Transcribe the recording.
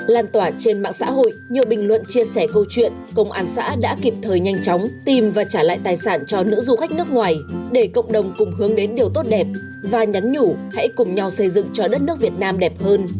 lan tỏa trên mạng xã hội nhiều bình luận chia sẻ câu chuyện công an xã đã kịp thời nhanh chóng tìm và trả lại tài sản cho nữ du khách nước ngoài để cộng đồng cùng hướng đến điều tốt đẹp và nhắn nhủ hãy cùng nhau xây dựng cho đất nước việt nam đẹp hơn